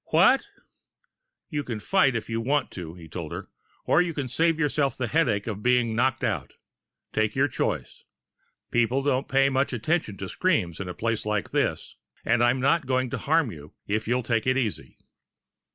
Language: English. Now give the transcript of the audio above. "What " "You can fight, if you want to," he told her. "Or you can save yourself the headache of being knocked out. Take your choice. People don't pay much attention to screams in a place like this. And I'm not going to harm you, if you'll take it easily."